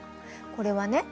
これはね